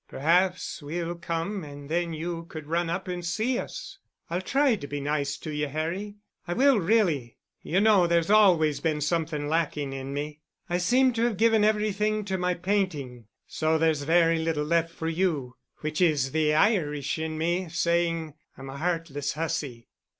Perhaps we'll come and then you could run up and see us. I'll try to be nice to you, Harry, I will really. You know there's always been something lacking in me. I seem to have given everything to my painting, so there's very little left for you, which is the Irish in me saying I'm a heartless hussy.